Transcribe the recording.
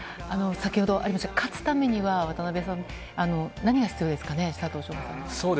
先ほどありました、勝つためには渡辺さん、何が必要ですかね、佐藤翔馬さん。